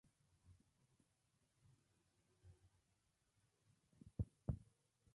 Poseía una gruesa coraza y estaba provisto de mandíbulas y dientes poderosos.